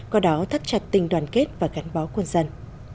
có đó thắt chặt tình đoàn kết và gắn bó quân dân